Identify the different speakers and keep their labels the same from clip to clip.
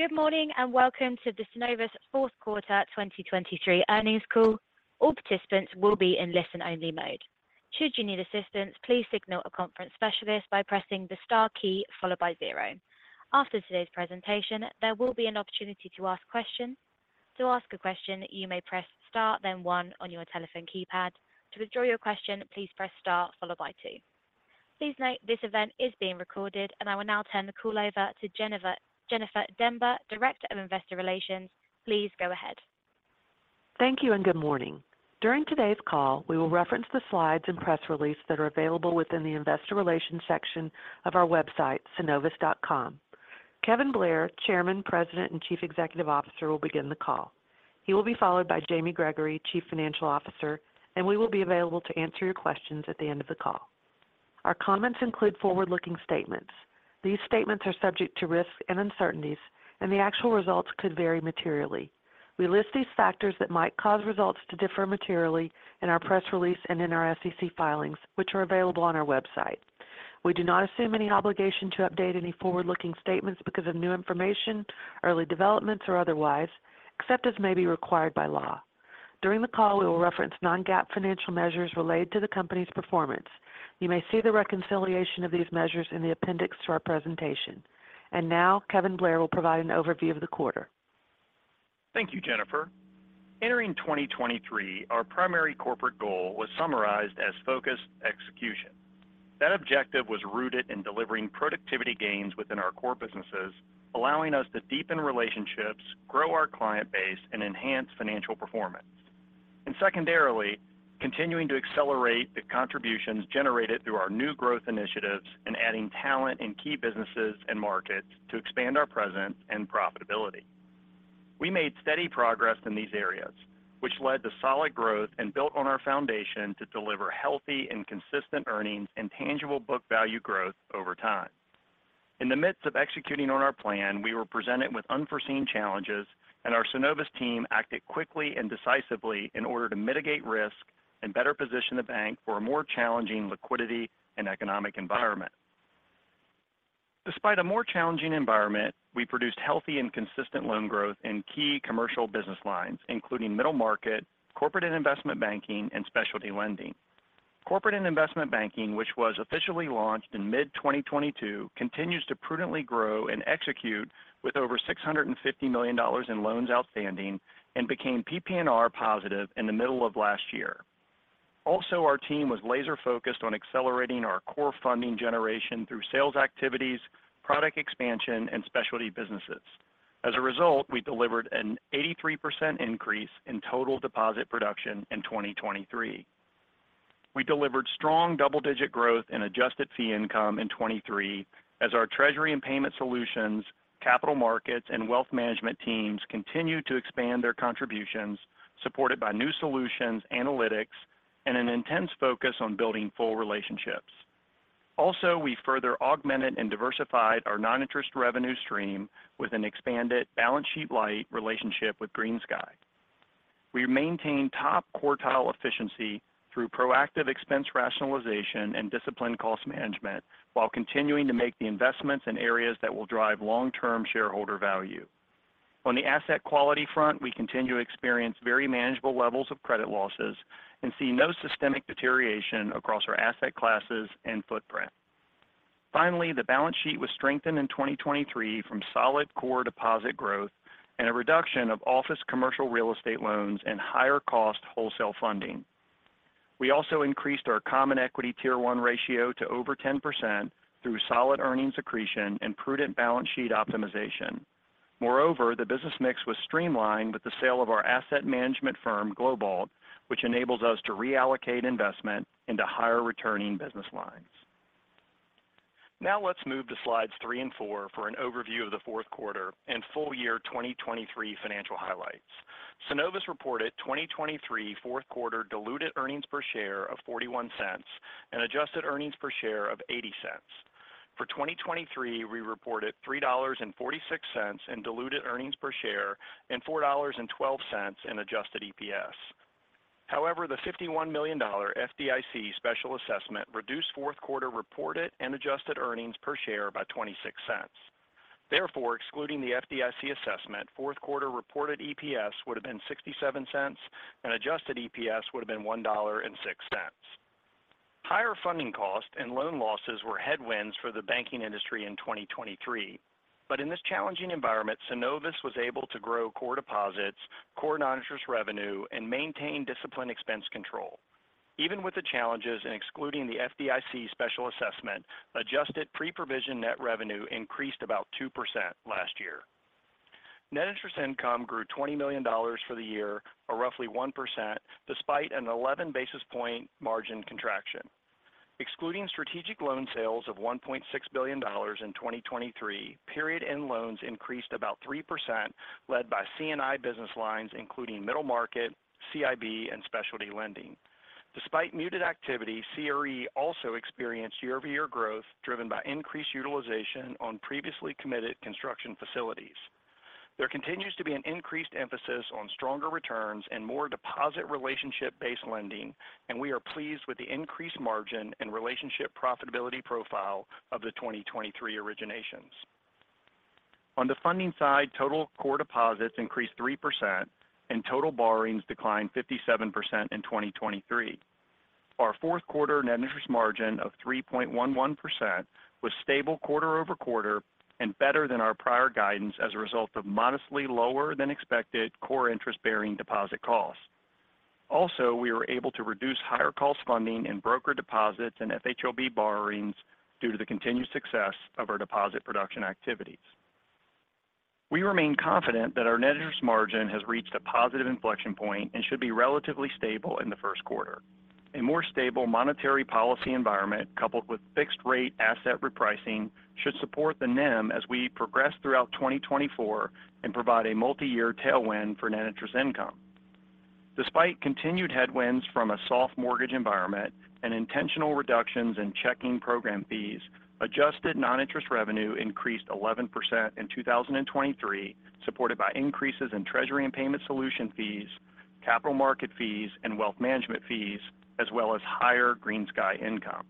Speaker 1: Good morning, and welcome to the Synovus Q4 2023 earnings call. All participants will be in listen-only mode. Should you need assistance, please signal a conference specialist by pressing the star key followed by zero. After today's presentation, there will be an opportunity to ask questions. To ask a question, you may press Star, then one on your telephone keypad. To withdraw your question, please press Star followed by two. Please note, this event is being recorded, and I will now turn the call over to Jennifer Demba, Director of Investor Relations. Please go ahead.
Speaker 2: Thank you and good morning. During today's call, we will reference the slides and press release that are available within the Investor Relations section of our website, synovus.com. Kevin Blair, Chairman, President, and Chief Executive Officer, will begin the call. He will be followed by Jamie Gregory, Chief Financial Officer, and we will be available to answer your questions at the end of the call. Our comments include forward-looking statements. These statements are subject to risks and uncertainties, and the actual results could vary materially. We list these factors that might cause results to differ materially in our press release and in our SEC filings, which are available on our website. We do not assume any obligation to update any forward-looking statements because of new information, early developments, or otherwise, except as may be required by law. During the call, we will reference non-GAAP financial measures related to the company's performance. You may see the reconciliation of these measures in the appendix to our presentation. And now Kevin Blair will provide an overview of the quarter.
Speaker 3: Thank you, Jennifer. Entering 2023, our primary corporate goal was summarized as focused execution. That objective was rooted in delivering productivity gains within our core businesses, allowing us to deepen relationships, grow our client base, and enhance financial performance. Secondarily, continuing to accelerate the contributions generated through our new growth initiatives and adding talent in key businesses and markets to expand our presence and profitability. We made steady progress in these areas, which led to solid growth and built on our foundation to deliver healthy and consistent earnings and tangible book value growth over time. In the midst of executing on our plan, we were presented with unforeseen challenges, and our Synovus team acted quickly and decisively in order to mitigate risk and better position the bank for a more challenging liquidity and economic environment. Despite a more challenging environment, we produced healthy and consistent loan growth in key commercial business lines, including middle market, corporate and investment banking, and specialty lending. Corporate and investment banking, which was officially launched in mid-2022, continues to prudently grow and execute with over $650 million in loans outstanding and became PPNR positive in the middle of last year. Also, our team was laser-focused on accelerating our core funding generation through sales activities, product expansion, and specialty businesses. As a result, we delivered an 83% increase in total deposit production in 2023. We delivered strong double-digit growth in adjusted fee income in 2023 as our treasury and payment solutions, capital markets, and wealth management teams continued to expand their contributions, supported by new solutions, analytics, and an intense focus on building full relationships. Also, we further augmented and diversified our non-interest revenue stream with an expanded balance sheet light relationship with GreenSky. We maintained top quartile efficiency through proactive expense rationalization and disciplined cost management, while continuing to make the investments in areas that will drive long-term shareholder value. On the asset quality front, we continue to experience very manageable levels of credit losses and see no systemic deterioration across our asset classes and footprint. Finally, the balance sheet was strengthened in 2023 from solid core deposit growth and a reduction of office commercial real estate loans and higher cost wholesale funding. We also increased our Common Equity Tier 1 ratio to over 10% through solid earnings accretion and prudent balance sheet optimization. Moreover, the business mix was streamlined with the sale of our asset management firm, GLOBALT, which enables us to reallocate investment into higher returning business lines. Now let's move to slides 3 and 4 for an overview of the Q4 and full year 2023 financial highlights. Synovus reported 2023 Q4 diluted EPS of $0.41 and adjusted EPS of $0.80. For 2023, we reported $3.46 in diluted EPS and $4.12 in adjusted EPS. However, the $51 million FDIC special assessment reduced Q4 reported and adjusted EPS by 26 cents. Therefore, excluding the FDIC assessment, Q4 reported EPS would have been 67 cents, and adjusted EPS would have been $1.06. Higher funding costs and loan losses were headwinds for the banking industry in 2023. But in this challenging environment, Synovus was able to grow core deposits, core non-interest revenue, and maintain disciplined expense control. Even with the challenges in excluding the FDIC special assessment, adjusted pre-provision net revenue increased about 2% last year. Net interest income grew $20 million for the year, or roughly 1%, despite an 11 basis point margin contraction. Excluding strategic loan sales of $1.6 billion in 2023, period-end loans increased about 3%, led by C&I business lines, including middle market, CIB, and specialty lending. Despite muted activity, CRE also experienced year-over-year growth, driven by increased utilization on previously committed construction facilities.... There continues to be an increased emphasis on stronger returns and more deposit relationship-based lending, and we are pleased with the increased margin and relationship profitability profile of the 2023 originations. On the funding side, total core deposits increased 3% and total borrowings declined 57% in 2023. Our Q4 net interest margin of 3.11% was stable quarter-over-quarter and better than our prior guidance as a result of modestly lower than expected core interest-bearing deposit costs. Also, we were able to reduce higher cost funding in brokered deposits and FHLB borrowings due to the continued success of our deposit production activities. We remain confident that our net interest margin has reached a positive inflection point and should be relatively stable in the first quarter. A more stable monetary policy environment, coupled with fixed rate asset repricing, should support the NIM as we progress throughout 2024 and provide a multi-year tailwind for net interest income. Despite continued headwinds from a soft mortgage environment and intentional reductions in checking program fees, adjusted non-interest revenue increased 11% in 2023, supported by increases in treasury and payment solution fees, capital market fees, and wealth management fees, as well as higher GreenSky income.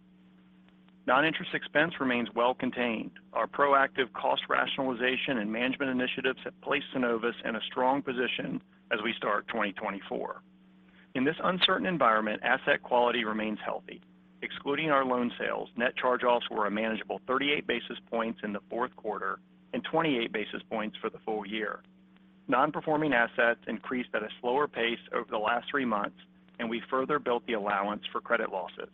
Speaker 3: Non-interest expense remains well contained. Our proactive cost rationalization and management initiatives have placed Synovus in a strong position as we start 2024. In this uncertain environment, asset quality remains healthy. Excluding our loan sales, net charge-offs were a manageable 38 basis points in the Q4 and 28 basis points for the full year. Non-performing assets increased at a slower pace over the last three months, and we further built the allowance for credit losses.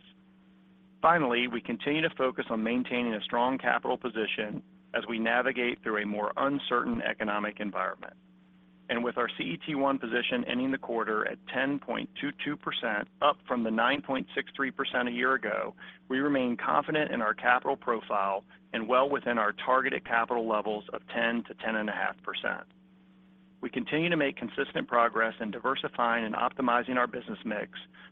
Speaker 3: Finally, we continue to focus on maintaining a strong capital position as we navigate through a more uncertain economic environment. With our CET1 position ending the quarter at 10.22%, up from the 9.63% a year ago, we remain confident in our capital profile and well within our targeted capital levels of 10%-10.5%. We continue to make consistent progress in diversifying and optimizing our business mix,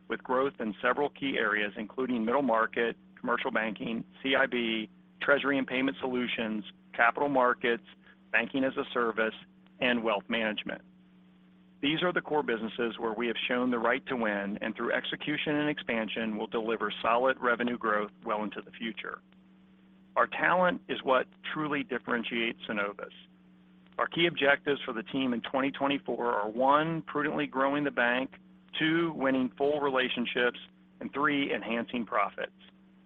Speaker 3: with growth in several key areas, including middle market, commercial banking, CIB, treasury and payment solutions, capital markets, banking-as-a-service, and wealth management. These are the core businesses where we have shown the right to win, and through execution and expansion, will deliver solid revenue growth well into the future. Our talent is what truly differentiates Synovus. Our key objectives for the team in 2024 are, 1, prudently growing the bank, 2, winning full relationships, and 3, enhancing profits.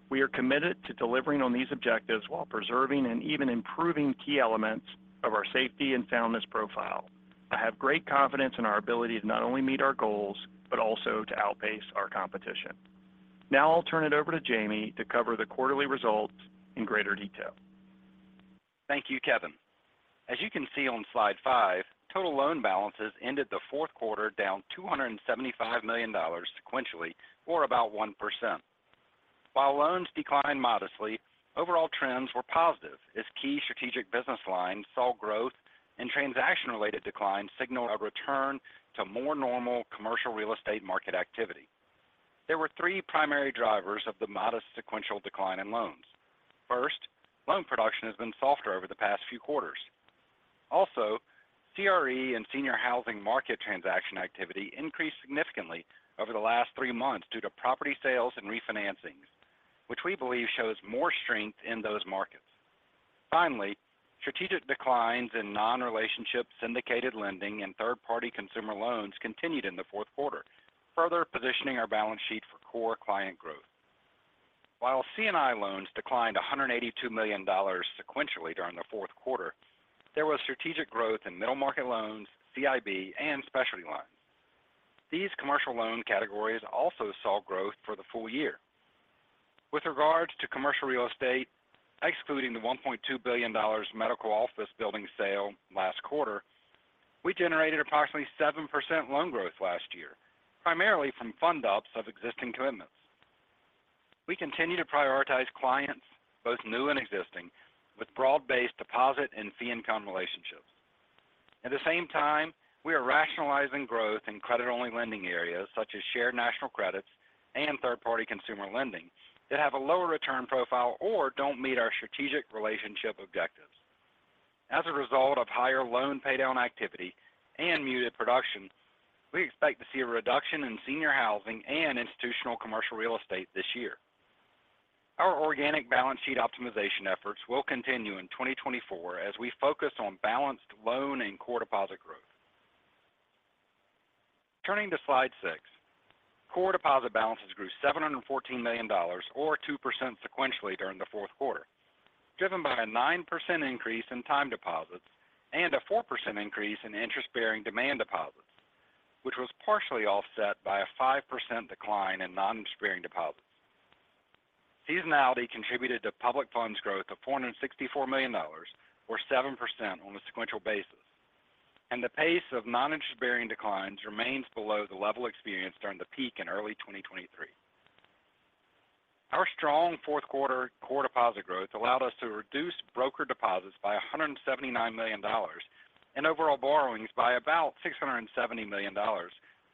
Speaker 3: We are committed to delivering on these objectives while preserving and even improving key elements of our safety and soundness profile. I have great confidence in our ability to not only meet our goals, but also to outpace our competition. Now I'll turn it over to Jamie to cover the quarterly results in greater detail.
Speaker 4: Thank you, Kevin. As you can see on slide 5, total loan balances ended the Q4 down $275 million sequentially, or about 1%. While loans declined modestly, overall trends were positive as key strategic business lines saw growth and transaction-related declines signal a return to more normal commercial real estate market activity. There were three primary drivers of the modest sequential decline in loans. First, loan production has been softer over the past few quarters. Also, CRE and senior housing market transaction activity increased significantly over the last three months due to property sales and refinancings, which we believe shows more strength in those markets. Finally, strategic declines in non-relationship syndicated lending and third-party consumer loans continued in the fourth quarter, further positioning our balance sheet for core client growth. While C&I loans declined $182 million sequentially during the fourth quarter, there was strategic growth in Middle Market loans, CIB, and specialty lines. These commercial loan categories also saw growth for the full year. With regards to commercial real estate, excluding the $1.2 billion medical office building sale last quarter, we generated approximately 7% loan growth last year, primarily from fund-ups of existing commitments. We continue to prioritize clients, both new and existing, with broad-based deposit and fee income relationships. At the same time, we are rationalizing growth in credit-only lending areas, such as shared national credits and third-party consumer lending, that have a lower return profile or don't meet our strategic relationship objectives. As a result of higher loan paydown activity and muted production, we expect to see a reduction in senior housing and institutional commercial real estate this year. Our organic balance sheet optimization efforts will continue in 2024 as we focus on balanced loan and core deposit growth. Turning to slide 6. Core deposit balances grew $714 million, or 2% sequentially, during the fourth quarter, driven by a 9% increase in time deposits and a 4% increase in interest-bearing demand deposits, which was partially offset by a 5% decline in non-interest-bearing deposits. Seasonality contributed to public funds growth of $464 million, or 7% on a sequential basis, and the pace of non-interest-bearing declines remains below the level experienced during the peak in early 2023. Our strong Q4 core deposit growth allowed us to reduce brokered deposits by $179 million and overall borrowings by about $670 million,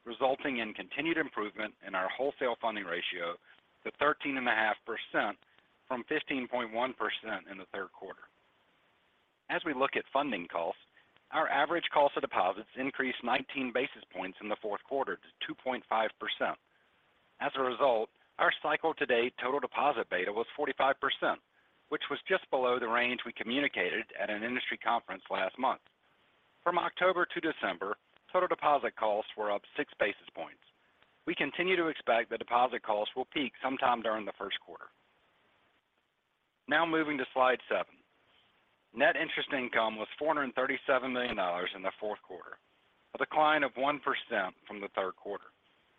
Speaker 4: resulting in continued improvement in our wholesale funding ratio to 13.5% from 15.1% in the third quarter. As we look at funding costs, our average cost of deposits increased 19 basis points in the Q4 to 2.5%. As a result, our cycle-to-date total deposit beta was 45%, which was just below the range we communicated at an industry conference last month. From October to December, total deposit costs were up 6 basis points. We continue to expect that deposit costs will peak sometime during the first quarter. Now moving to slide seven. Net interest income was $437 million in the fourth quarter, a decline of 1% from the Q3,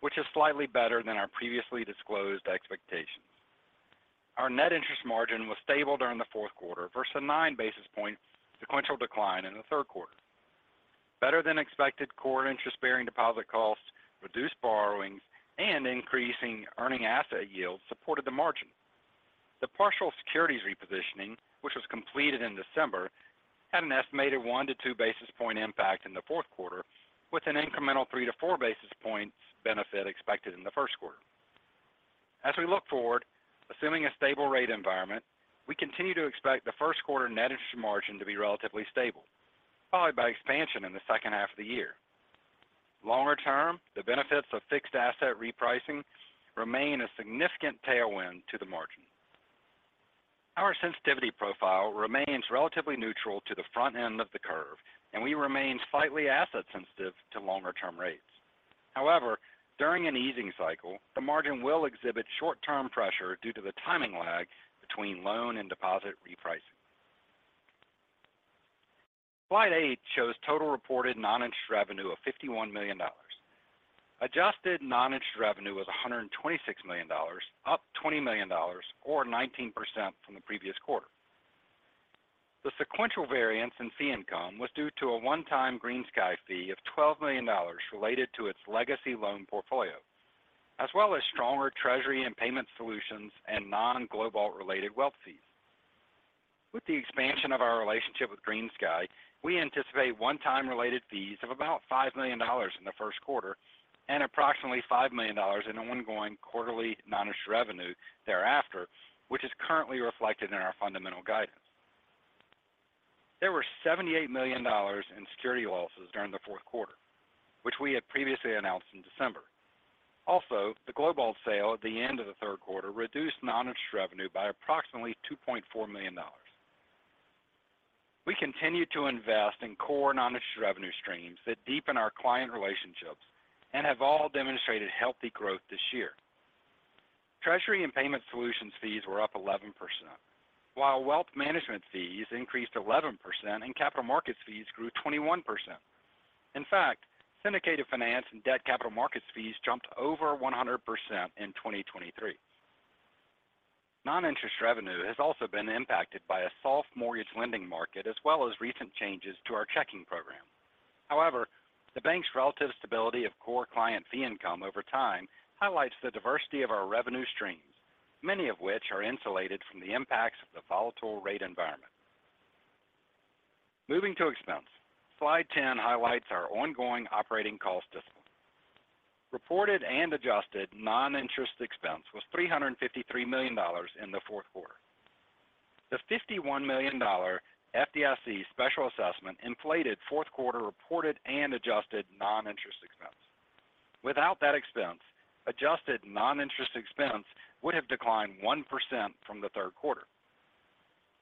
Speaker 4: which is slightly better than our previously disclosed expectations. Our net interest margin was stable during the Q4 versus a 9 basis point sequential decline in the Q3. Better than expected core interest-bearing deposit costs, reduced borrowings, and increasing earning asset yields supported the margin. The partial securities repositioning, which was completed in December, had an estimated 1-2 basis point impact in the Q4, with an incremental 3-4 basis points benefit expected in the Q1. As we look forward, assuming a stable rate environment, we continue to expect the Q1 net interest margin to be relatively stable, followed by expansion in the second half of the year. Longer term, the benefits of fixed asset repricing remain a significant tailwind to the margin. Our sensitivity profile remains relatively neutral to the front end of the curve, and we remain slightly asset sensitive to longer-term rates. However, during an easing cycle, the margin will exhibit short-term pressure due to the timing lag between loan and deposit repricing. Slide eight shows total reported non-interest revenue of $51 million. Adjusted non-interest revenue was $126 million, up $20 million or 19% from the previous quarter. The sequential variance in fee income was due to a one-time GreenSky fee of $12 million related to its legacy loan portfolio, as well as stronger treasury and payment solutions and non-GLOBALT related wealth fees. With the expansion of our relationship with GreenSky, we anticipate one-time related fees of about $5 million in the Q1 and approximately $5 million in ongoing quarterly non-interest revenue thereafter, which is currently reflected in our fundamental guidance. There were $78 million in security losses during the fourth quarter, which we had previously announced in December. Also, the GLOBALT sale at the end of the Q3 reduced non-interest revenue by approximately $2.4 million. We continue to invest in core non-interest revenue streams that deepen our client relationships and have all demonstrated healthy growth this year. Treasury and payment solutions fees were up 11%, while wealth management fees increased 11% and capital markets fees grew 21%. In fact, syndicated finance and debt capital markets fees jumped over 100% in 2023. Non-interest revenue has also been impacted by a soft mortgage lending market, as well as recent changes to our checking program. However, the bank's relative stability of core client fee income over time highlights the diversity of our revenue streams, many of which are insulated from the impacts of the volatile rate environment. Moving to expense. Slide 10 highlights our ongoing operating cost discipline. Reported and adjusted non-interest expense was $353 million in the fourth quarter. The $51 million FDIC special assessment inflated Q4 reported and adjusted non-interest expense. Without that expense, adjusted non-interest expense would have declined 1% from the third quarter.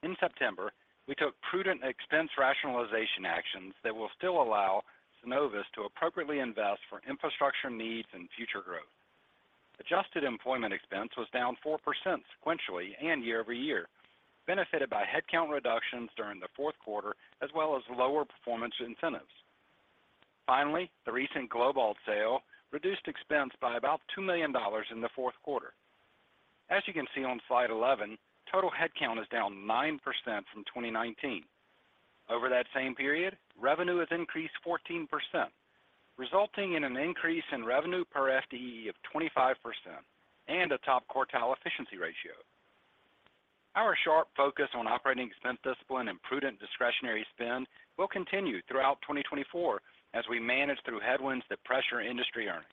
Speaker 4: In September, we took prudent expense rationalization actions that will still allow Synovus to appropriately invest for infrastructure needs and future growth. Adjusted employment expense was down 4% sequentially and year-over-year, benefited by headcount reductions during the fourth quarter, as well as lower performance incentives. Finally, the recent GLOBALT sale reduced expense by about $2 million in the fourth quarter. As you can see on Slide 11, total headcount is down 9% from 2019. Over that same period, revenue has increased 14%, resulting in an increase in revenue per FTE of 25% and a top quartile efficiency ratio. Our sharp focus on operating expense discipline and prudent discretionary spend will continue throughout 2024 as we manage through headwinds that pressure industry earnings.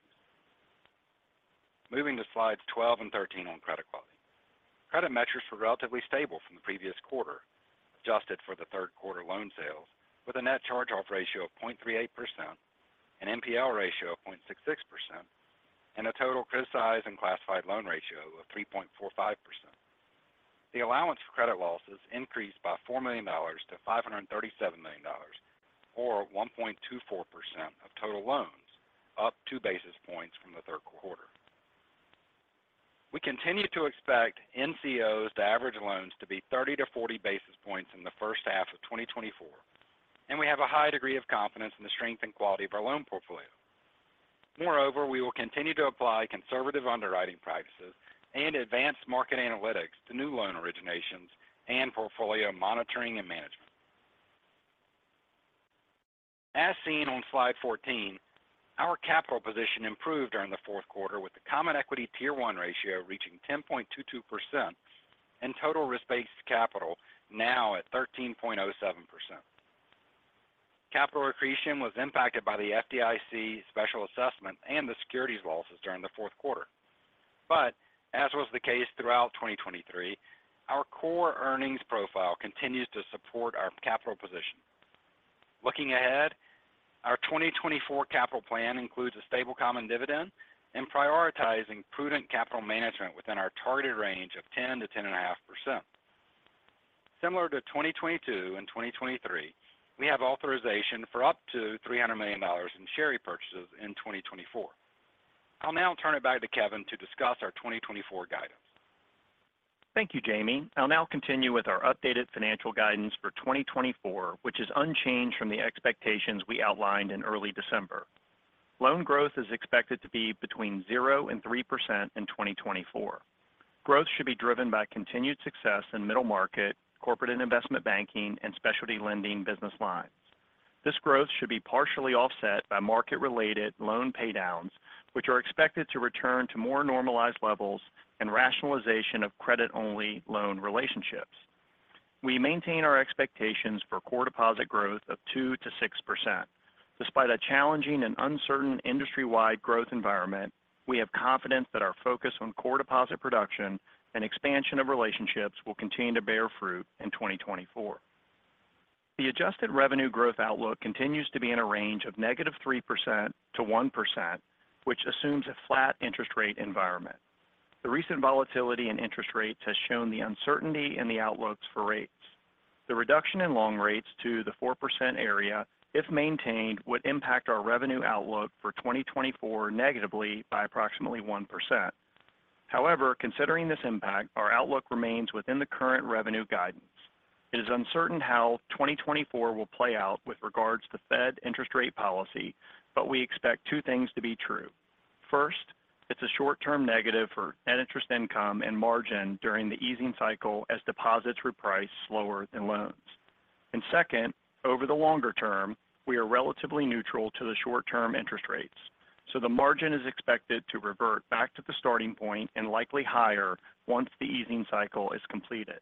Speaker 4: Moving to Slides 12 and 13 on credit quality. Credit metrics were relatively stable from the previous quarter, adjusted for the Q3 loan sales with a net charge-off ratio of 0.38%, an NPL ratio of 0.66%, and a total criticized and classified loan ratio of 3.45%. The allowance for credit losses increased by $4 million to $537 million, or 1.24% of total loans, up 2 basis points from the third quarter. We continue to expect NCOs to average loans to be 30 to 40 basis points in the first half of 2024, and we have a high degree of confidence in the strength and quality of our loan portfolio. Moreover, we will continue to apply conservative underwriting practices and advanced market analytics to new loan originations and portfolio monitoring and management. As seen on Slide 14, our capital position improved during the fourth quarter, with the Common Equity Tier 1 ratio reaching 10.22% and total risk-based capital now at 13.07%.... Capital accretion was impacted by the FDIC special assessment and the securities losses during the fourth quarter. But as was the case throughout 2023, our core earnings profile continues to support our capital position. Looking ahead, our 2024 capital plan includes a stable common dividend and prioritizing prudent capital management within our targeted range of 10% to 10.5%. Similar to 2022 and 2023, we have authorization for up to $300 million in share repurchases in 2024. I'll now turn it back to Kevin to discuss our 2024 guidance.
Speaker 3: Thank you, Jamie. I'll now continue with our updated financial guidance for 2024, which is unchanged from the expectations we outlined in early December. Loan growth is expected to be between 0% and 3% in 2024. Growth should be driven by continued success in Middle Market, corporate and investment banking, and specialty lending business lines. This growth should be partially offset by market-related loan paydowns, which are expected to return to more normalized levels and rationalization of credit-only loan relationships. We maintain our expectations for core deposit growth of 2% to 6%. Despite a challenging and uncertain industry-wide growth environment, we have confidence that our focus on core deposit production and expansion of relationships will continue to bear fruit in 2024. The adjusted revenue growth outlook continues to be in a range of -3% to 1%, which assumes a flat interest rate environment. The recent volatility in interest rates has shown the uncertainty in the outlooks for rates. The reduction in long rates to the 4% area, if maintained, would impact our revenue outlook for 2024 negatively by approximately 1%. However, considering this impact, our outlook remains within the current revenue guidance. It is uncertain how 2024 will play out with regards to Fed interest rate policy, but we expect two things to be true. First, it's a short-term negative for net interest income and margin during the easing cycle as deposits reprice slower than loans. And second, over the longer term, we are relatively neutral to the short-term interest rates, so the margin is expected to revert back to the starting point and likely higher once the easing cycle is completed.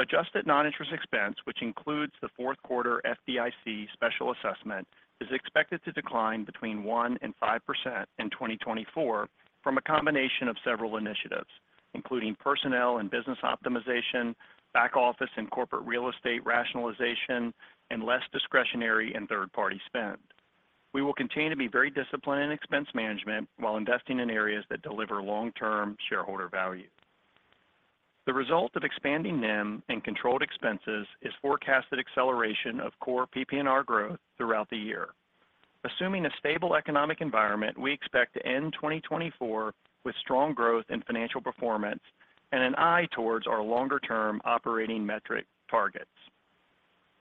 Speaker 3: Adjusted non-interest expense, which includes the Q4 FDIC special assessment, is expected to decline between 1% and 5% in 2024 from a combination of several initiatives, including personnel and business optimization, back office and corporate real estate rationalization, and less discretionary and third-party spend. We will continue to be very disciplined in expense management while investing in areas that deliver long-term shareholder value. The result of expanding NIM and controlled expenses is forecasted acceleration of core PPNR growth throughout the year. Assuming a stable economic environment, we expect to end 2024 with strong growth in financial performance and an eye towards our longer-term operating metric targets.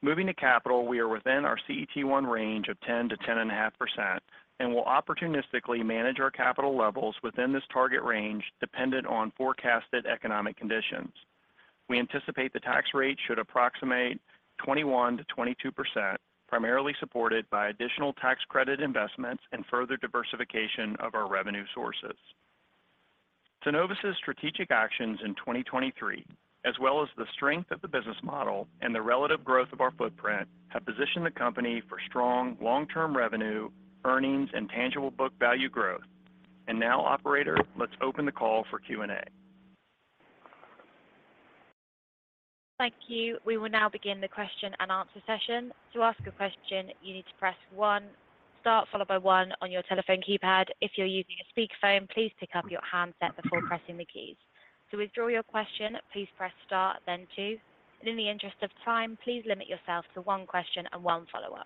Speaker 3: Moving to capital, we are within our CET1 range of 10 to 10.5% and will opportunistically manage our capital levels within this target range, dependent on forecasted economic conditions. We anticipate the tax rate should approximate 21% to 22%, primarily supported by additional tax credit investments and further diversification of our revenue sources. Synovus' strategic actions in 2023, as well as the strength of the business model and the relative growth of our footprint, have positioned the company for strong long-term revenue, earnings, and tangible book value growth. And now, operator, let's open the call for Q&A.
Speaker 1: Thank you. We will now begin the question and answer session. To ask a question, you need to press one, star, followed by one on your telephone keypad. If you're using a speakerphone, please pick up your handset before pressing the keys. To withdraw your question, please press star, then two. In the interest of time, please limit yourself to one question and one follow-up.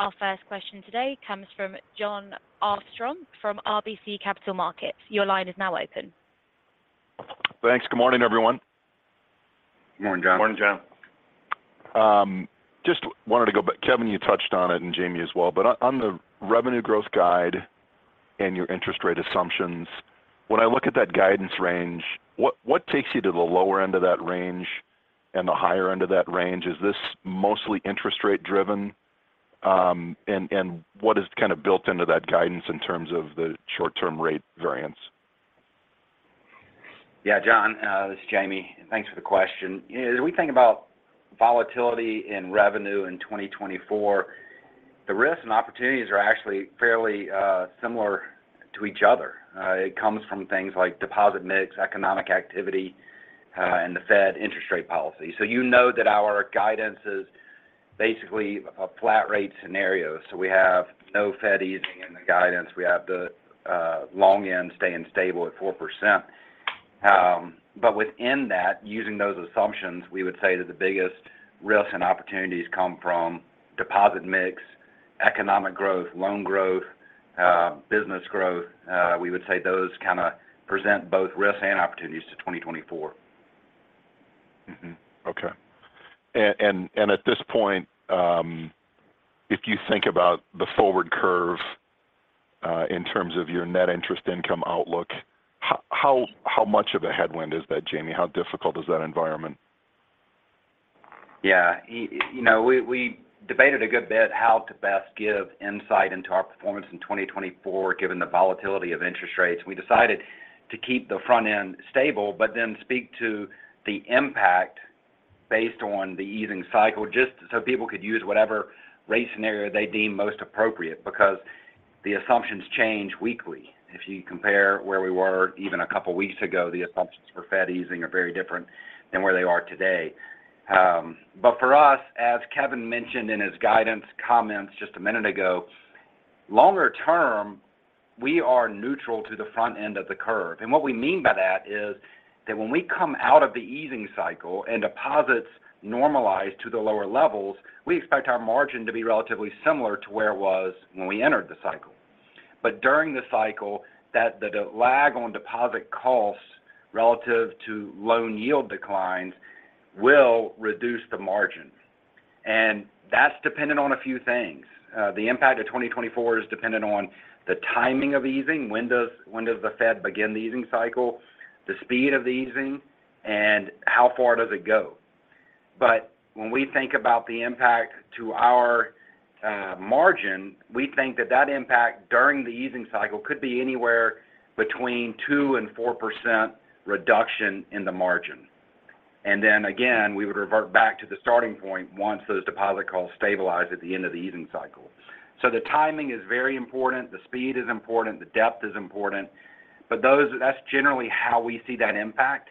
Speaker 1: Our first question today comes from Jon Arfstrom from RBC Capital Markets. Your line is now open.
Speaker 5: Thanks. Good morning, everyone.
Speaker 4: Good morning, Jon.
Speaker 3: Morning, Jon.
Speaker 5: Just wanted to go back. Kevin, you touched on it, and Jamie as well, but on the revenue growth guide and your interest rate assumptions, when I look at that guidance range, what takes you to the lower end of that range and the higher end of that range? Is this mostly interest rate driven? And what is kind of built into that guidance in terms of the short-term rate variance?
Speaker 4: Yeah, Jon, this is Jamie. Thanks for the question. As we think about volatility in revenue in 2024, the risks and opportunities are actually fairly similar to each other. It comes from things like deposit mix, economic activity, and the Fed interest rate policy. So you know that our guidance is basically a flat rate scenario. So we have no Fed easing in the guidance. We have the long end staying stable at 4%. But within that, using those assumptions, we would say that the biggest risks and opportunities come from deposit mix, economic growth, loan growth, business growth. We would say those kind of present both risks and opportunities to 2024.
Speaker 5: Mm-hmm. Okay. And at this point, if you think about the forward curve, in terms of your net interest income outlook, how much of a headwind is that, Jamie? How difficult is that environment?
Speaker 4: Yeah, you know, we debated a good bit how to best give insight into our performance in 2024, given the volatility of interest rates. We decided to keep the front end stable, but then speak to the impact based on the easing cycle, just so people could use whatever rate scenario they deem most appropriate, because the assumptions change weekly. If you compare where we were even a couple of weeks ago, the assumptions for Fed easing are very different than where they are today. But for us, as Kevin mentioned in his guidance comments just a minute ago, longer term, we are neutral to the front end of the curve. And what we mean by that is that when we come out of the easing cycle and deposits normalize to the lower levels, we expect our margin to be relatively similar to where it was when we entered the cycle. But during the cycle, that the lag on deposit costs relative to loan yield declines will reduce the margin. And that's dependent on a few things. The impact of 2024 is dependent on the timing of easing. When does, when does the Fed begin the easing cycle? The speed of the easing, and how far does it go? But when we think about the impact to our, margin, we think that that impact during the easing cycle could be anywhere between 2% and 4% reduction in the margin. And then again, we would revert back to the starting point once those deposit costs stabilize at the end of the easing cycle. So the timing is very important, the speed is important, the depth is important, but those, that's generally how we see that impact.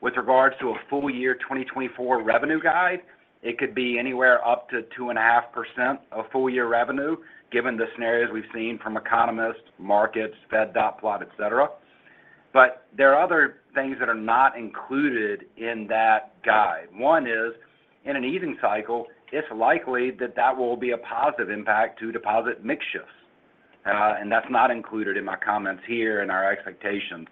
Speaker 4: With regards to a full year, 2024 revenue guide, it could be anywhere up to 2.5% of full year revenue, given the scenarios we've seen from economists, markets, Fed dot plot, et cetera. But there are other things that are not included in that guide. One is, in an easing cycle, it's likely that that will be a positive impact to deposit mix shifts. And that's not included in my comments here and our expectations.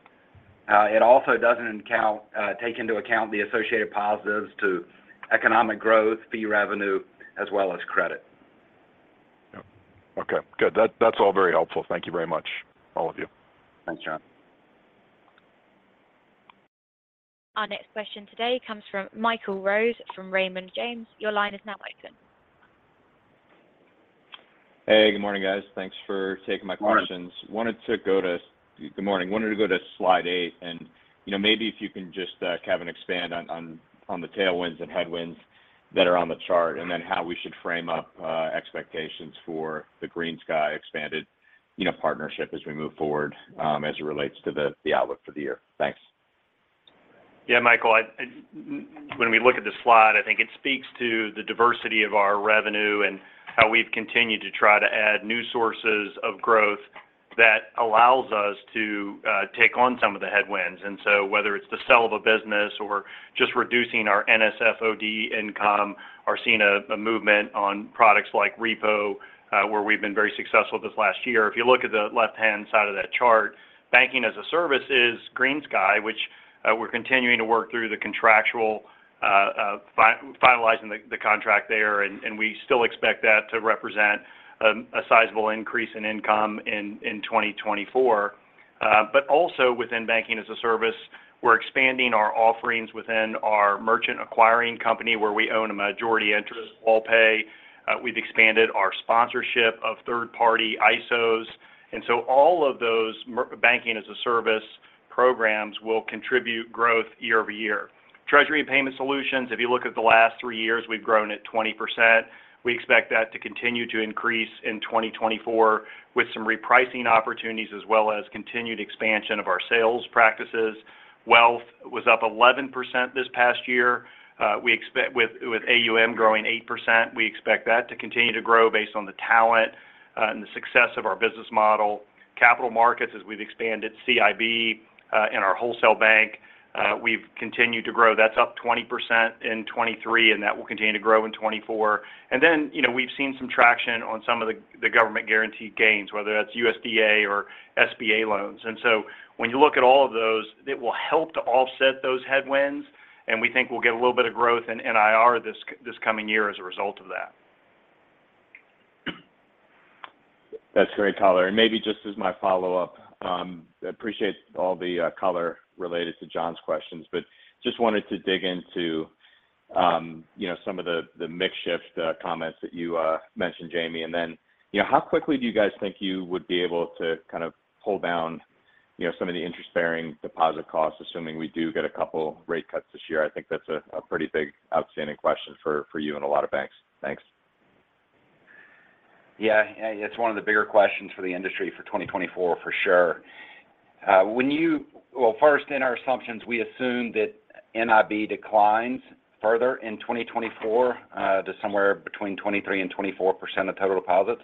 Speaker 4: It also doesn't count, take into account the associated positives to economic growth, fee revenue, as well as credit.
Speaker 5: Yep. Okay, good. That's, that's all very helpful. Thank you very much, all of you.
Speaker 4: Thanks, Jon.
Speaker 1: Our next question today comes from Michael Rose, from Raymond James. Your line is now open.
Speaker 6: Hey, good morning, guys. Thanks for taking my questions.
Speaker 4: Morning.
Speaker 6: Good morning. Wanted to go to slide 8, and, you know, maybe if you can just, Kevin, expand on the tailwinds and headwinds that are on the chart, and then how we should frame up expectations for the GreenSky expanded, you know, partnership as we move forward, as it relates to the outlook for the year. Thanks.
Speaker 3: Yeah, Michael, when we look at the slide, I think it speaks to the diversity of our revenue and how we've continued to try to add new sources of growth that allows us to take on some of the headwinds. And so whether it's the sell of a business or just reducing our NSF/OD income, or seeing a movement on products like repo, where we've been very successful this last year. If you look at the left-hand side of that chart, banking as a service is GreenSky, which we're continuing to work through the contractual finalizing the contract there, and we still expect that to represent a sizable increase in income in 2024. But also within banking as a service, we're expanding our offerings within our merchant acquiring company, where we own a majority interest, Worldpay. We've expanded our sponsorship of third-party ISOs. And so all of those banking as a service programs will contribute growth year-over-year. Treasury and Payment Solutions, if you look at the last three years, we've grown at 20%. We expect that to continue to increase in 2024 with some repricing opportunities, as well as continued expansion of our sales practices. Wealth was up 11% this past year. We expect with, with AUM growing 8%, we expect that to continue to grow based on the talent, and the success of our business model. Capital markets, as we've expanded CIB, and our wholesale bank, we've continued to grow. That's up 20% in 2023, and that will continue to grow in 2024. And then, you know, we've seen some traction on some of the, the government-guaranteed gains, whether that's USDA or SBA loans. And so when you look at all of those, it will help to offset those headwinds, and we think we'll get a little bit of growth in NIR this, this coming year as a result of that.
Speaker 6: That's great color. Maybe just as my follow-up, I appreciate all the color related to Jon questions, but just wanted to dig into, you know, some of the, the mix shift comments that you mentioned, Jamie. And then, you know, how quickly do you guys think you would be able to kind of pull down, you know, some of the interest-bearing deposit costs, assuming we do get a couple rate cuts this year? I think that's a pretty big outstanding question for you and a lot of banks. Thanks.
Speaker 4: Yeah, it's one of the bigger questions for the industry for 2024, for sure. When you— Well, first, in our assumptions, we assume that NIB declines further in 2024 to somewhere between 23% and 24% of total deposits.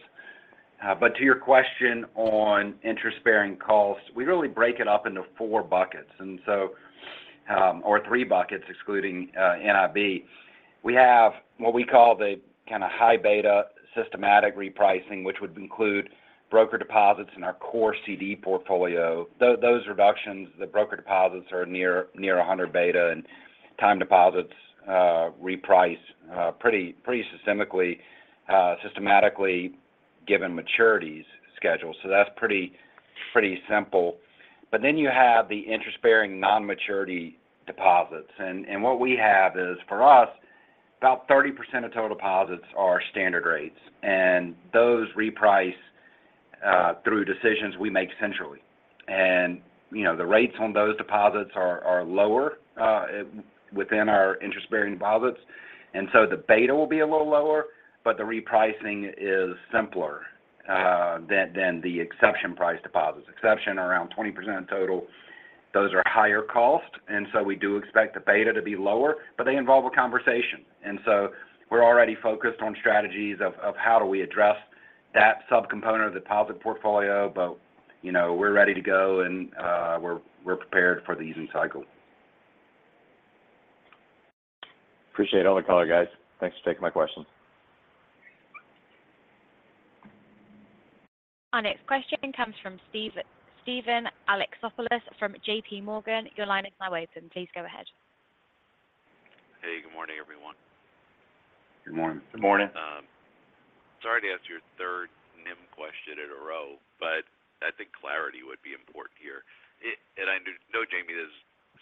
Speaker 4: But to your question on interest-bearing costs, we really break it up into four buckets, and so, or three buckets, excluding NIB. We have what we call the kind of high beta systematic repricing, which would include brokered deposits in our core CD portfolio. Those reductions, the brokered deposits are near, near 100 beta, and time deposits reprice pretty, pretty systematically given maturities schedule. So that's pretty, pretty simple. But then you have the interest-bearing non-maturity deposits. And what we have is, for us, about 30% of total deposits are standard rates, and those reprice... Through decisions we make centrally. And, you know, the rates on those deposits are lower within our interest-bearing deposits, and so the beta will be a little lower, but the repricing is simpler than the exception price deposits. Exception around 20% total, those are higher cost, and so we do expect the beta to be lower, but they involve a conversation. And so we're already focused on strategies of how do we address that subcomponent of the deposit portfolio, but, you know, we're ready to go, and we're prepared for the easing cycle.
Speaker 3: Appreciate all the color, guys. Thanks for taking my questions.
Speaker 1: Our next question comes from Steven Alexopoulos from JPMorgan. Your line is now open. Please go ahead.
Speaker 7: Hey, good morning, everyone.
Speaker 4: Good morning.
Speaker 3: Good morning.
Speaker 7: Sorry to ask your third NIM question in a row, but I think clarity would be important here. And I know, Jamie, there's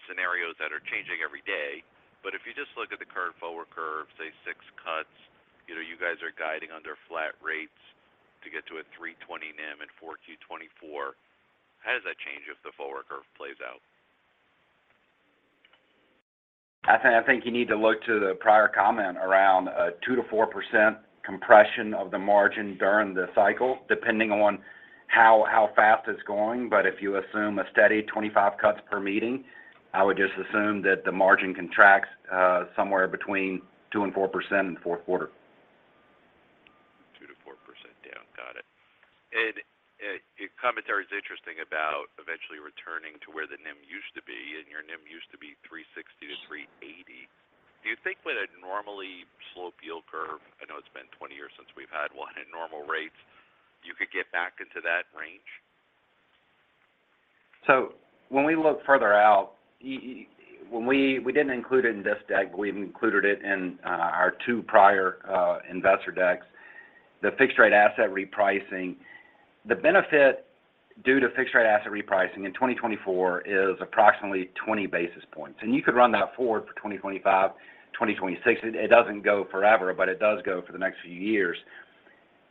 Speaker 7: scenarios that are changing every day, but if you just look at the current forward curve, say, six cuts, you know, you guys are guiding under flat rates to get to a 3.20 NIM in 4Q 2024. How does that change if the forward curve plays out?
Speaker 4: I think, I think you need to look to the prior comment around a 2% to 4% compression of the margin during the cycle, depending on how, how fast it's going. But if you assume a steady 25 cuts per meeting, I would just assume that the margin contracts somewhere between 2% and 4% in the fourth quarter.
Speaker 7: 2% to 4% down. Got it. And, your commentary is interesting about eventually returning to where the NIM used to be, and your NIM used to be 3.60% to 3.80%. Do you think with a normally slow yield curve, I know it's been 20 years since we've had one at normal rates, you could get back into that range?
Speaker 4: When we look further out, we didn't include it in this deck, but we've included it in our two prior investor decks, the fixed rate asset repricing. The benefit due to fixed rate asset repricing in 2024 is approximately 20 basis points, and you could run that forward for 2025, 2026. It doesn't go forever, but it does go for the next few years.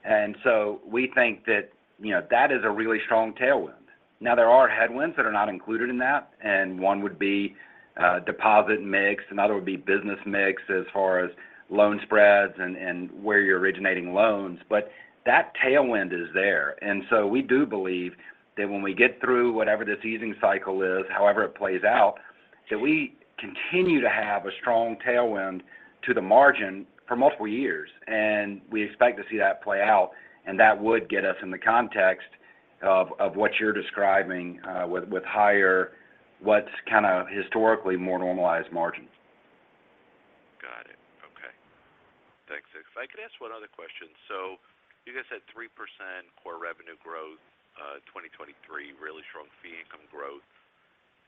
Speaker 4: And so we think that, you know, that is a really strong tailwind. Now, there are headwinds that are not included in that, and one would be deposit mix, another would be business mix as far as loan spreads and where you're originating loans. But that tailwind is there. And so we do believe that when we get through whatever this easing cycle is, however it plays out, that we continue to have a strong tailwind to the margin for multiple years. And we expect to see that play out, and that would get us in the context of, of what you're describing, with, with higher what's kind of historically more normalized margins.
Speaker 7: Got it. Okay. Thanks. If I could ask one other question. So you guys said 3% core revenue growth, 2023, really strong fee income growth.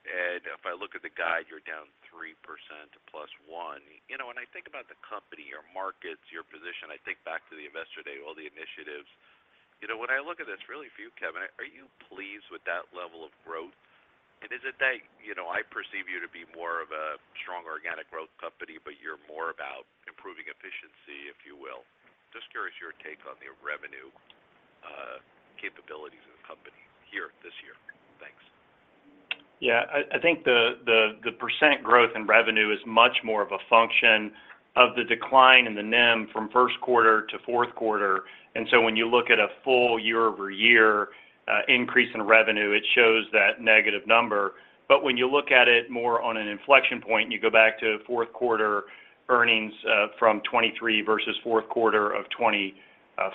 Speaker 7: And if I look at the guide, you're down 3% to +1. You know, when I think about the company, your markets, your position, I think back to the Investor Day, all the initiatives. You know, when I look at this, really for you, Kevin, are you pleased with that level of growth? And is it that, you know, I perceive you to be more of a strong organic growth company, but you're more about improving efficiency, if you will. Just curious your take on the revenue, capabilities of the company here this year. Thanks.
Speaker 3: Yeah, I think the percent growth in revenue is much more of a function of the decline in the NIM from Q1 to Q4. And so when you look at a full year-over-year increase in revenue, it shows that negative number. But when you look at it more on an inflection point, you go back to Q4 earnings from 2023 versus Q4 of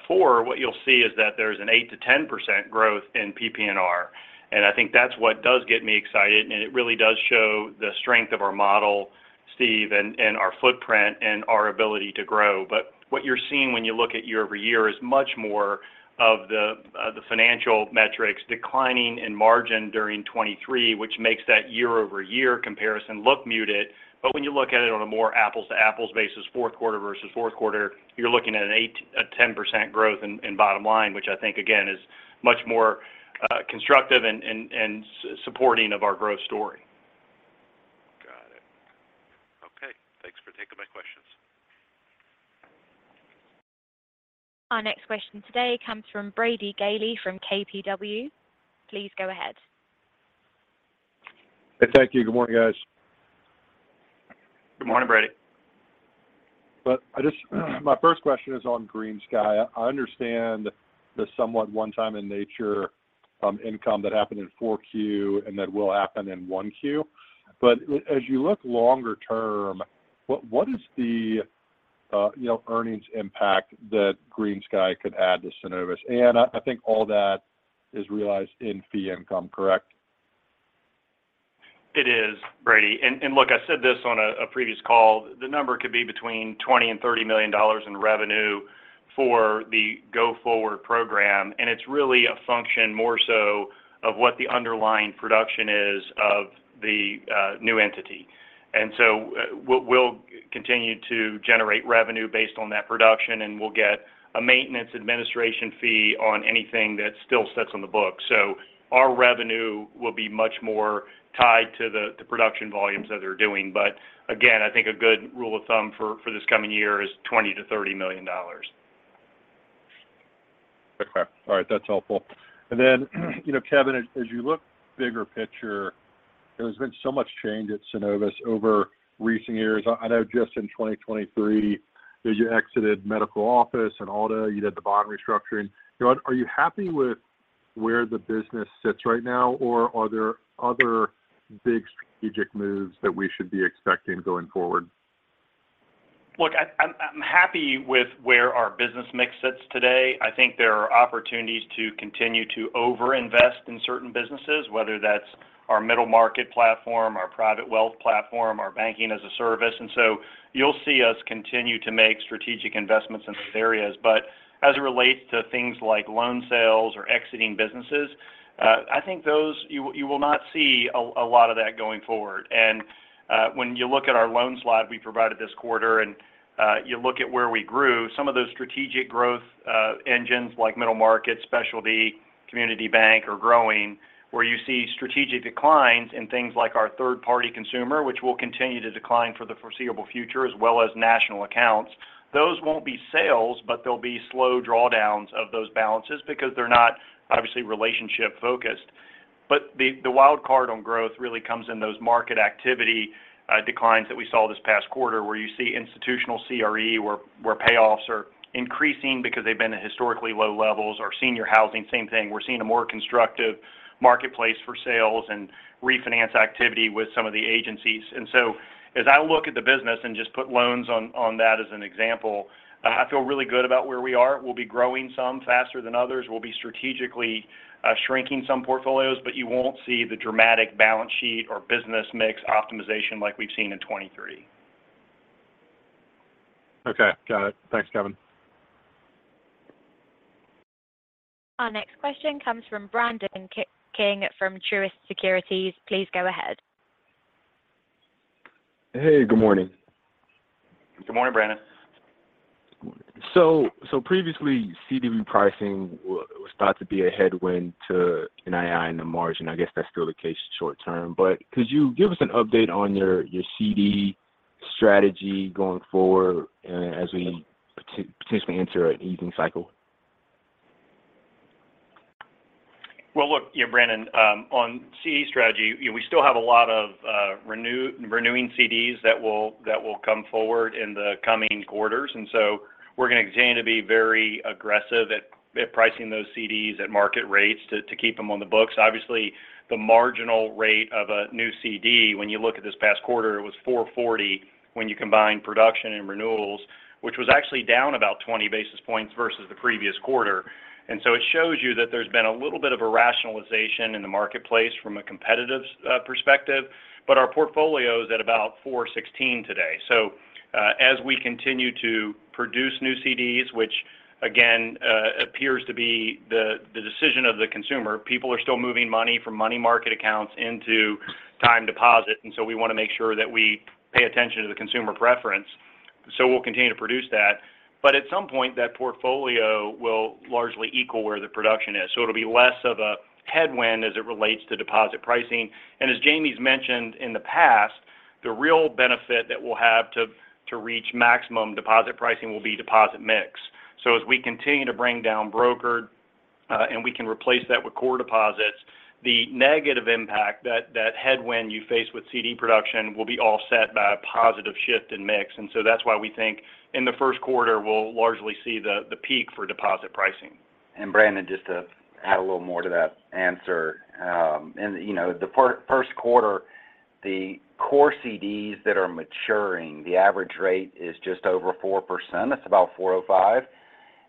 Speaker 3: 2024, what you'll see is that there's an 8% to 10% growth in PPNR. And I think that's what does get me excited, and it really does show the strength of our model, Steve, and our footprint and our ability to grow. But what you're seeing when you look at year-over-year is much more of the financial metrics declining in margin during 2023, which makes that year-over-year comparison look muted. But when you look at it on a more apples-to-apples basis, Q4 versus fourth quarter, you're looking at an 8%-10% growth in bottom line, which I think, again, is much more constructive and supporting of our growth story.
Speaker 7: Got it. Okay. Thanks for taking my questions.
Speaker 1: Our next question today comes from Brady Gailey from KBW. Please go ahead.
Speaker 8: Hey, thank you. Good morning, guys.
Speaker 4: Good morning, Brady.
Speaker 8: But, my first question is on GreenSky. I understand the somewhat one-time in nature, income that happened in 4Q and that will happen in 1Q. But as you look longer term, what, what is the, you know, earnings impact that GreenSky could add to Synovus? And I, I think all that is realized in fee income, correct?
Speaker 3: It is, Brady. And, and look, I said this on a, a previous call, the number could be between $20 million and $30 million in revenue for the go-forward program, and it's really a function more so of what the underlying production is of the new entity. And so, we'll, we'll continue to generate revenue based on that production, and we'll get a maintenance administration fee on anything that still sits on the book. So our revenue will be much more tied to the production volumes that they're doing. But again, I think a good rule of thumb for this coming year is $20 to $30 million....
Speaker 8: Okay. All right, that's helpful. And then you know, Kevin, as you look bigger picture, there's been so much change at Synovus over recent years. I know just in 2023, that you exited medical office and all that, you did the bond restructuring. You know, are you happy with where the business sits right now? Or are there other big strategic moves that we should be expecting going forward?
Speaker 3: Look, I'm happy with where our business mix sits today. I think there are opportunities to continue to over-invest in certain businesses, whether that's our Middle Market platform, our Private Wealth platform, our banking as a service. And so you'll see us continue to make strategic investments in those areas. But as it relates to things like loan sales or exiting businesses, I think those you will not see a lot of that going forward. And when you look at our loan slide we provided this quarter, and you look at where we grew, some of those strategic growth engines, like Middle Market, specialty, community bank are growing. Where you see strategic declines in things like our third-party consumer, which will continue to decline for the foreseeable future, as well as national accounts. Those won't be sales, but they'll be slow drawdowns of those balances because they're not obviously relationship focused. But the wild card on growth really comes in those market activity declines that we saw this past quarter, where you see institutional CRE, where payoffs are increasing because they've been at historically low levels. Our senior housing, same thing. We're seeing a more constructive marketplace for sales and refinance activity with some of the agencies. And so as I look at the business and just put loans on that as an example, I feel really good about where we are. We'll be growing some faster than others. We'll be strategically shrinking some portfolios, but you won't see the dramatic balance sheet or business mix optimization like we've seen in 2023.
Speaker 8: Okay, got it. Thanks, Kevin.
Speaker 1: Our next question comes from Brandon King from Truist Securities. Please go ahead.
Speaker 9: Hey, good morning.
Speaker 3: Good morning, Brandon.
Speaker 9: Previously, CD pricing was thought to be a headwind to NII in the margin. I guess that's still the case short term, but could you give us an update on your CD strategy going forward, as we potentially enter an easing cycle?
Speaker 3: Well, look, yeah, Brandon, on CD strategy, you know, we still have a lot of renewing CDs that will come forward in the coming quarters. And so we're going to continue to be very aggressive at pricing those CDs at market rates to keep them on the books. Obviously, the marginal rate of a new CD, when you look at this past quarter, it was 4.40 when you combine production and renewals, which was actually down about 20 basis points versus the previous quarter. And so it shows you that there's been a little bit of a rationalization in the marketplace from a competitive perspective, but our portfolio is at about 4.16 today. So, as we continue to produce new CDs, which again appears to be the decision of the consumer, people are still moving money from money market accounts into time deposit, and so we want to make sure that we pay attention to the consumer preference. So we'll continue to produce that. But at some point, that portfolio will largely equal where the production is, so it'll be less of a headwind as it relates to deposit pricing. And as Jamie's mentioned in the past, the real benefit that we'll have to reach maximum deposit pricing will be deposit mix. So as we continue to bring down brokered, and we can replace that with core deposits, the negative impact, that headwind you face with CD production will be offset by a positive shift in mix. And so that's why we think in the first quarter, we'll largely see the peak for deposit pricing.
Speaker 4: And Brandon, just to add a little more to that answer, you know, the first quarter, the core CDs that are maturing, the average rate is just over 4%. It's about 4.05.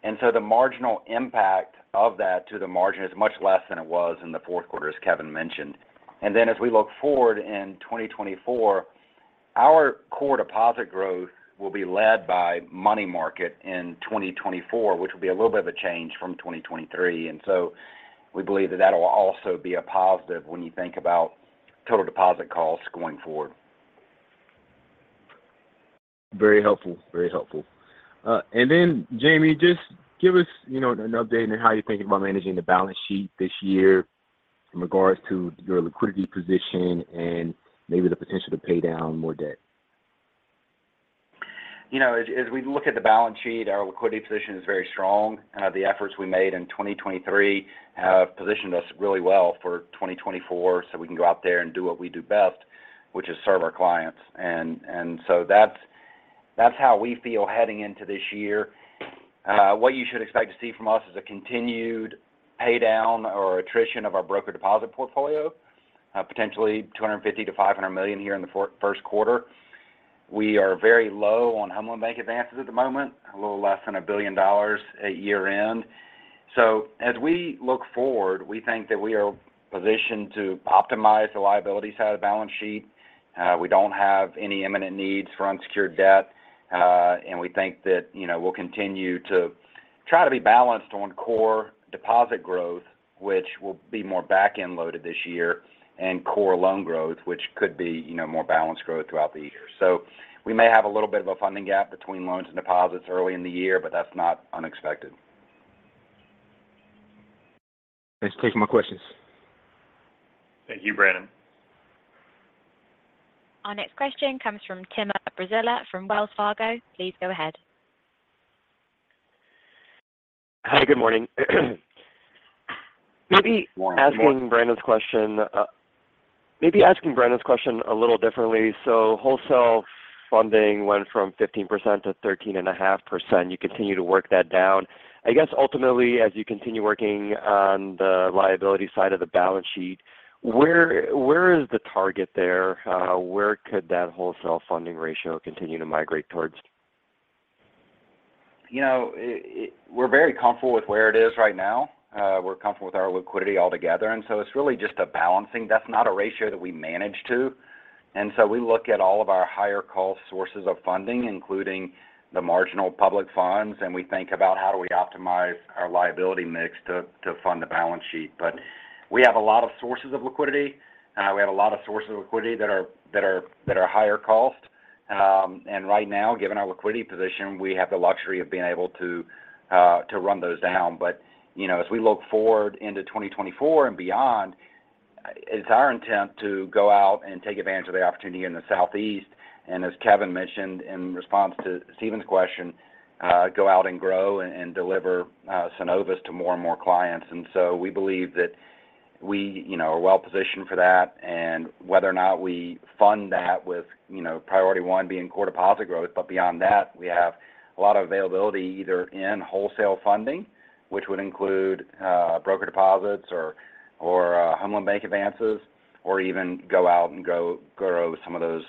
Speaker 4: And so the marginal impact of that to the margin is much less than it was in the fourth quarter, as Kevin mentioned. And then as we look forward in 2024, our core deposit growth will be led by money market in 2024, which will be a little bit of a change from 2023. And so we believe that that will also be a positive when you think about total deposit costs going forward.
Speaker 9: Very helpful. Very helpful. And then, Jamie, just give us, you know, an update on how you're thinking about managing the balance sheet this year in regards to your liquidity position and maybe the potential to pay down more debt.
Speaker 4: You know, as we look at the balance sheet, our liquidity position is very strong. The efforts we made in 2023 have positioned us really well for 2024, so we can go out there and do what we do best, which is serve our clients. And so that's how we feel heading into this year. What you should expect to see from us is a continued pay down or attrition of our broker deposit portfolio, potentially $250 million to $500 million here in the first quarter. We are very low on FHLB advances at the moment, a little less than $1 billion at year-end. So as we look forward, we think that we are positioned to optimize the liability side of the balance sheet. We don't have any imminent needs for unsecured debt, and we think that, you know, we'll continue to try to be balanced on core deposit growth, which will be more back-end loaded this year, and core loan growth, which could be, you know, more balanced growth throughout the year. So we may have a little bit of a funding gap between loans and deposits early in the year, but that's not unexpected.
Speaker 9: Thanks. Those are my questions.
Speaker 1: Thank you, Brandon.... Our next question comes from Tim Braziler from Wells Fargo. Please go ahead.
Speaker 10: Hi, good morning. Maybe asking Brandon's question a little differently. So wholesale funding went from 15% to 13.5%. You continue to work that down. I guess, ultimately, as you continue working on the liability side of the balance sheet, where is the target there? Where could that wholesale funding ratio continue to migrate towards?
Speaker 4: You know, we're very comfortable with where it is right now. We're comfortable with our liquidity altogether, and so it's really just a balancing. That's not a ratio that we manage to. And so we look at all of our higher cost sources of funding, including the marginal public funds, and we think about how do we optimize our liability mix to fund the balance sheet. But we have a lot of sources of liquidity. We have a lot of sources of liquidity that are higher cost. And right now, given our liquidity position, we have the luxury of being able to run those down. But, you know, as we look forward into 2024 and beyond, it's our intent to go out and take advantage of the opportunity in the Southeast, and as Kevin mentioned in response to Steven question, go out and grow and deliver Synovus to more and more clients. And so we believe that we, you know, are well positioned for that. And whether or not we fund that with, you know, priority one being core deposit growth, but beyond that, we have a lot of availability either in wholesale funding, which would include brokered deposits or, or FHLB advances, or even go out and grow some of those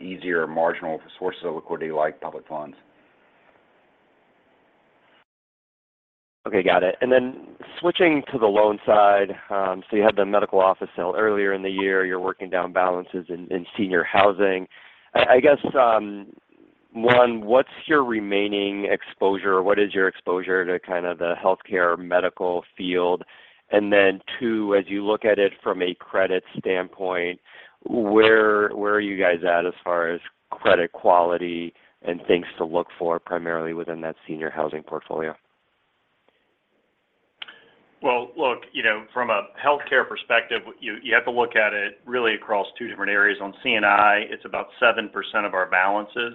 Speaker 4: easier marginal sources of liquidity, like public funds.
Speaker 10: Okay, got it. And then switching to the loan side, so you had the medical office sale earlier in the year. You're working down balances in senior housing. I guess, one, what's your remaining exposure? What is your exposure to kind of the healthcare medical field? And then two, as you look at it from a credit standpoint, where are you guys at as far as credit quality and things to look for, primarily within that senior housing portfolio?
Speaker 3: Well, look, you know, from a healthcare perspective, you have to look at it really across two different areas. On C&I, it's about 7% of our balances,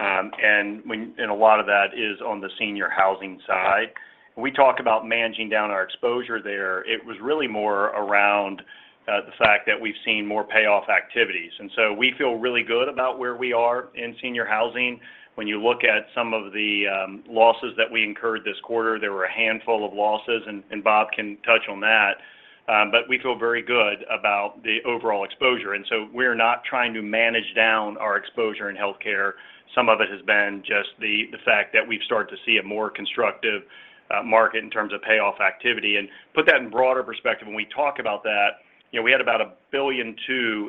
Speaker 3: and a lot of that is on the senior housing side. We talked about managing down our exposure there. It was really more around the fact that we've seen more payoff activities, and so we feel really good about where we are in senior housing. When you look at some of the losses that we incurred this quarter, there were a handful of losses, and Bob can touch on that. But we feel very good about the overall exposure, and so we're not trying to manage down our exposure in healthcare. Some of it has been just the fact that we've started to see a more constructive market in terms of payoff activity. And put that in broader perspective when we talk about that, you know, we had about $1.2 billion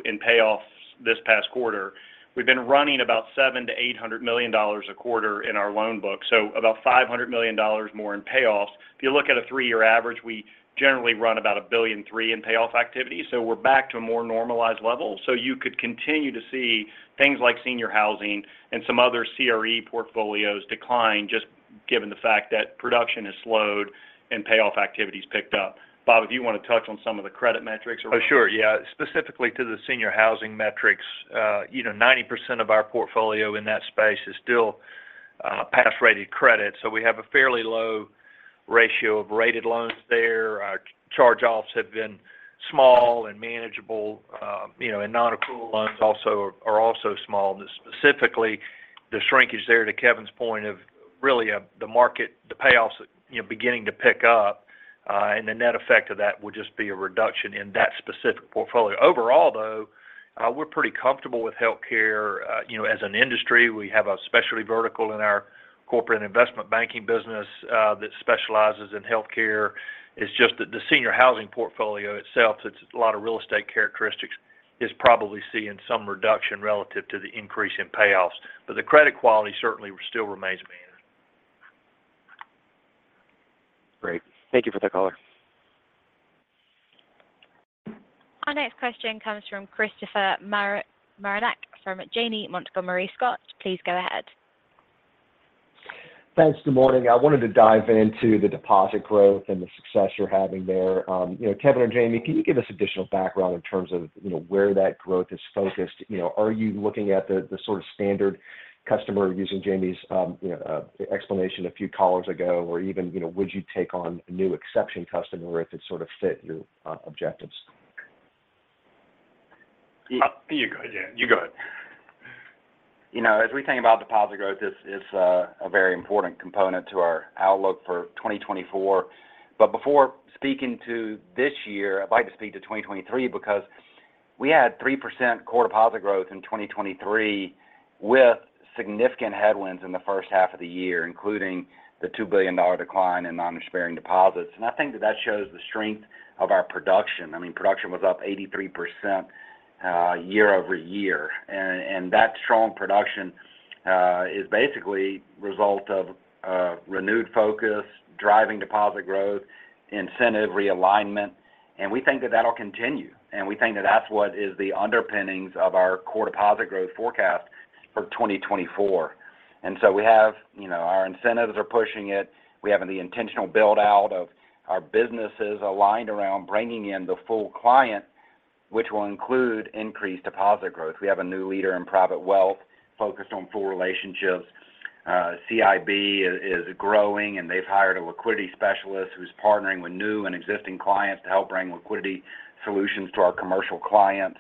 Speaker 3: in payoffs this past quarter. We've been running about $700 million to $800 million a quarter in our loan book, so about $500 million more in payoffs. If you look at a 3 year average, we generally run about $1.3 billion in payoff activity, so we're back to a more normalized level. So you could continue to see things like senior housing and some other CRE portfolios decline, just given the fact that production has slowed and payoff activity's picked up. Bob, if you want to touch on some of the credit metrics around-
Speaker 11: Oh, sure, yeah. Specifically to the senior housing metrics, you know, 90% of our portfolio in that space is still Pass-rated credit, so we have a fairly low ratio of rated loans there. Our charge-offs have been small and manageable, you know, and non-accrual loans also, are also small. Specifically, the shrinkage there, to Kevin's point, of really the market, the payoffs, you know, beginning to pick up, and the net effect of that would just be a reduction in that specific portfolio. Overall, though, we're pretty comfortable with healthcare. You know, as an industry, we have a specialty vertical in our Corporate Investment Banking business that specializes in healthcare. It's just that the senior housing portfolio itself, it's a lot of real estate characteristics, is probably seeing some reduction relative to the increase in payoffs, but the credit quality certainly still remains minor.
Speaker 10: Great. Thank you for the call.
Speaker 1: Our next question comes from Christopher Marinac from Janney Montgomery Scott. Please go ahead.
Speaker 12: Thanks. Good morning. I wanted to dive into the deposit growth and the success you're having there. You know, Kevin or Jamie, can you give us additional background in terms of, you know, where that growth is focused? You know, are you looking at the, the sort of standard customer using Jamie's, you know, explanation a few callers ago? Or even, you know, would you take on a new exception customer if it sort of fit your objectives?
Speaker 3: You go ahead. Yeah, you go ahead.
Speaker 4: You know, as we think about deposit growth, it's a very important component to our outlook for 2024. But before speaking to this year, I'd like to speak to 2023 because we had 3% core deposit growth in 2023, with significant headwinds in the first half of the year, including the $2 billion decline in non-interest-bearing deposits. And I think that that shows the strength of our production. I mean, production was up 83%, year-over-year. And that strong production is basically a result of a renewed focus, driving deposit growth, incentive realignment, and we think that that'll continue, and we think that that's what is the underpinnings of our core deposit growth forecast for 2024. And so we have, you know, our incentives are pushing it. We have the intentional build-out of our businesses aligned around bringing in the full client, which will include increased deposit growth. We have a new leader in Private Wealth focused on full relationships. CIB is growing, and they've hired a liquidity specialist who's partnering with new and existing clients to help bring liquidity solutions to our commercial clients.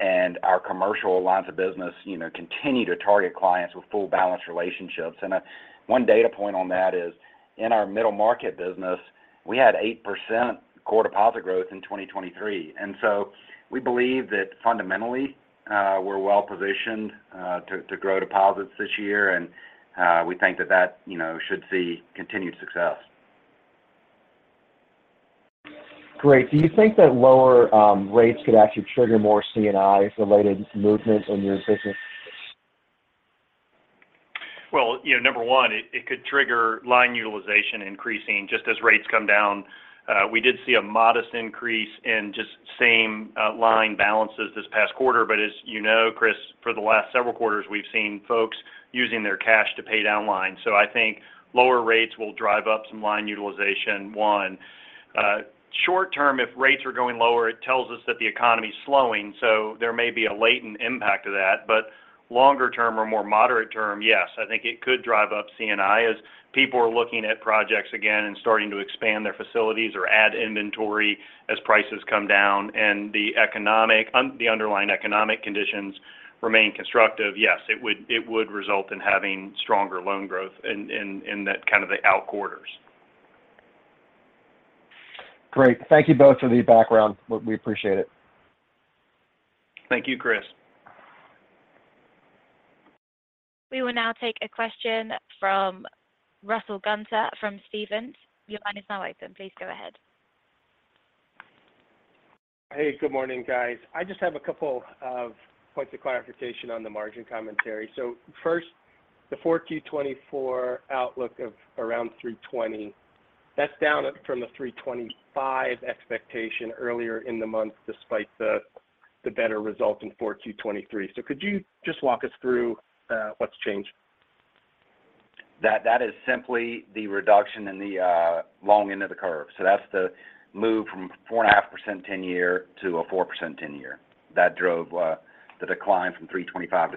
Speaker 4: Our commercial lines of business, you know, continue to target clients with full balance relationships. One data point on that is, in our Middle Market business, we had 8% core deposit growth in 2023. So we believe that fundamentally, we're well positioned to grow deposits this year, and we think that that, you know, should see continued success.
Speaker 12: Great. Do you think that lower rates could actually trigger more C&I-related movement in your business?
Speaker 3: Well, you know, number one, it could trigger line utilization increasing just as rates come down. We did see a modest increase in just same line balances this past quarter, but as you know, Chris, for the last several quarters, we've seen folks using their cash to pay down line. So I think lower rates will drive up some line utilization, one. Short term, if rates are going lower, it tells us that the economy is slowing, so there may be a latent impact to that. But longer term or more moderate term, yes, I think it could drive up C&I, as people are looking at projects again and starting to expand their facilities or add inventory as prices come down and the economic the underlying economic conditions remain constructive. Yes, it would, it would result in having stronger loan growth in that kind of the out quarters.
Speaker 12: Great. Thank you both for the background. We, we appreciate it.
Speaker 3: Thank you, Chris.
Speaker 1: We will now take a question from Russell Gunther from Stephens. Your line is now open. Please go ahead.
Speaker 13: Hey, good morning, guys. I just have a couple of points of clarification on the margin commentary. So first, the 4Q 2024 outlook of around 3.20, that's down from the 3.25 expectation earlier in the month, despite the better result in 4Q 2023. So could you just walk us through what's changed?
Speaker 4: That, that is simply the reduction in the, long end of the curve. So that's the move from 4.5% 10 year to a 4% 10 year. That drove the decline from 3.25 to 3.20.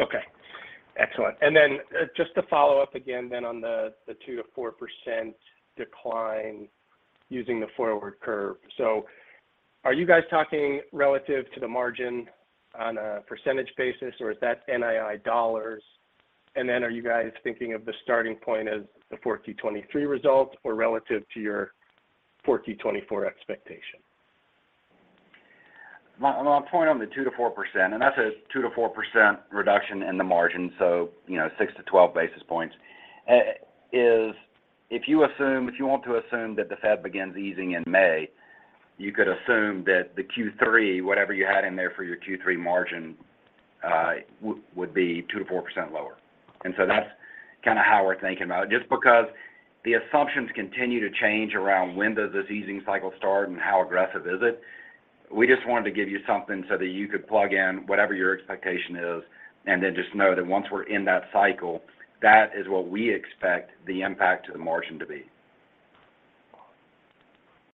Speaker 13: Okay. Excellent. Just to follow up again, then on the 2% to 4% decline using the forward curve. So are you guys talking relative to the margin on a percentage basis, or is that NII dollars? And then are you guys thinking of the starting point as the 4Q 2023 results or relative to your 4Q 2024 expectation?
Speaker 4: My, my point on the 2% to 4%, and that's a 2% to 4% reduction in the margin, so, you know, 6 to 12 basis points is if you want to assume that the Fed begins easing in May, you could assume that the Q3, whatever you had in there for your Q3 margin, would be 2% to 4% lower. And so that's kind of how we're thinking about it. Just because the assumptions continue to change around when does this easing cycle start and how aggressive is it, we just wanted to give you something so that you could plug in whatever your expectation is, and then just know that once we're in that cycle, that is what we expect the impact to the margin to be.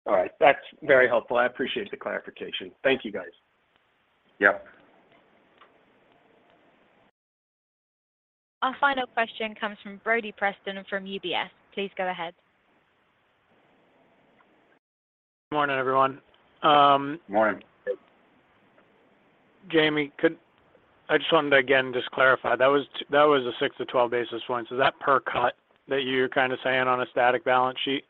Speaker 13: All right. That's very helpful. I appreciate the clarification. Thank you, guys.
Speaker 4: Yep.
Speaker 1: Our final question comes from Brodie Preston from UBS. Please go ahead.
Speaker 14: Morning, everyone.
Speaker 4: Morning.
Speaker 14: Jamie, I just wanted to, again, just clarify, that was a 6 to 12 basis point. So is that per cut that you're kind of saying on a static balance sheet?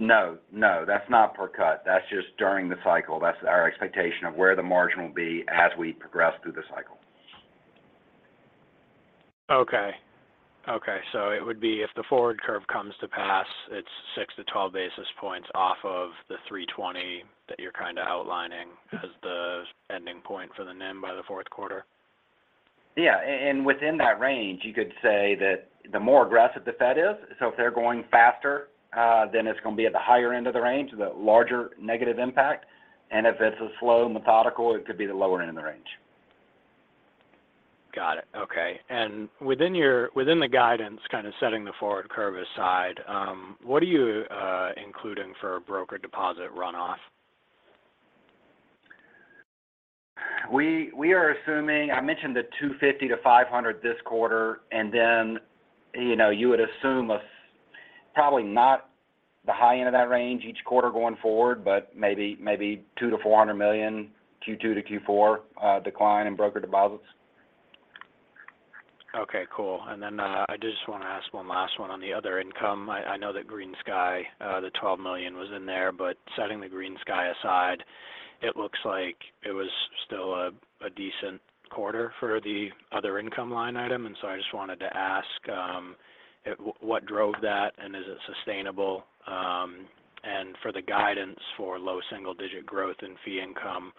Speaker 4: No, no, that's not per cut. That's just during the cycle. That's our expectation of where the margin will be as we progress through the cycle.
Speaker 14: Okay. Okay, so it would be if the forward curve comes to pass, it's 6 to 12 basis points off of the 3.20 that you're kind of outlining as the ending point for the NIM by the fourth quarter?
Speaker 4: Yeah, and within that range, you could say that the more aggressive the Fed is, so if they're going faster, then it's going to be at the higher end of the range, the larger negative impact. And if it's a slow, methodical, it could be the lower end of the range.
Speaker 14: Got it. Okay. And within the guidance, kind of setting the forward curve aside, what are you including for broker deposit runoff?
Speaker 4: We are assuming—I mentioned the $250 to $500 million this quarter, and then, you know, you would assume a probably not the high end of that range each quarter going forward, but maybe two to $400 million Q2 to Q4 decline in brokered deposits.
Speaker 14: Okay, cool. And then, I just want to ask one last one on the other income. I, I know that GreenSky, the $12 million was in there, but setting the GreenSky aside, it looks like it was still a decent quarter for the other income line item. And so I just wanted to ask, what drove that, and is it sustainable? And for the guidance for low single-digit growth in fee income,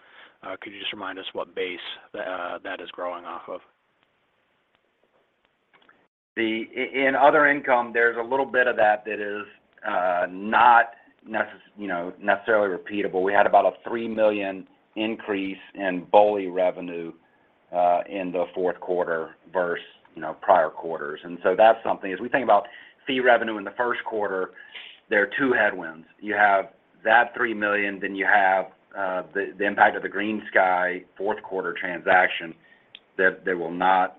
Speaker 14: could you just remind us what base that is growing off of?...
Speaker 4: In other income, there's a little bit of that that is not necessarily repeatable. We had about a $3 million increase in BOLI revenue in the Q4 versus prior quarters. And so that's something. As we think about fee revenue in the first quarter, there are two headwinds. You have that $3 million, then you have the impact of the GreenSky Q4 transaction that they will not